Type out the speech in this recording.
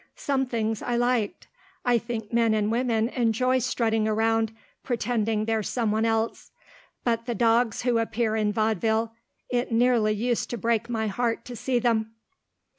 Some things I liked. I think men and women enjoy strutting round, pretending they're some one else. But the dogs who appear in vaudeville it nearly used to break my heart to see them.